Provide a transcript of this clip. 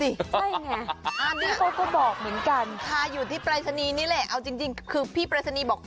ใช่ไงอันนี้เขาก็บอกเหมือนกันถ้าอยู่ที่ปรายศนีย์นี่แหละเอาจริงคือพี่ปรายศนีย์บอก